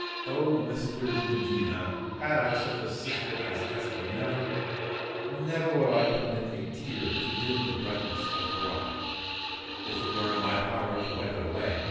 Oh! Mr. de Medina, had I such a sister as Esther, never—never, would I permit a tear to dim the brightness of her eye, if it were in my power to wipe it away!